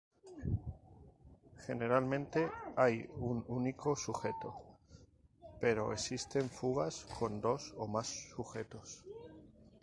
Generalmente hay un único sujeto, pero existen fugas con dos o más sujetos.